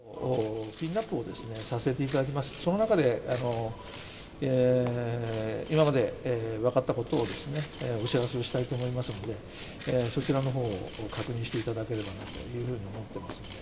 その中で、今まで分かったことをお知らせをしたいと思いますので、そちらのほうを確認していただければなというふうに思っております。